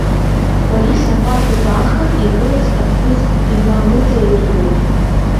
Борис аҟәардә даахан, игылаз аԥҳәыс иналыҵаиргылт.